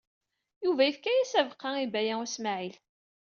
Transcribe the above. Yuba yefka-as abeqqa i Baya U Smaɛil.